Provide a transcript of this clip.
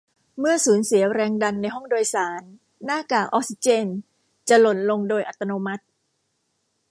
เมื่อสูญเสียแรงดันในห้องโดยสารหน้ากากออกซิเจนจะหล่นลงโดยอัตโนมัติ